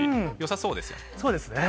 そうですね。